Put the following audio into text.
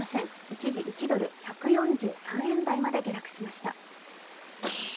一時、１ドル＝１４３円台まで下落しました。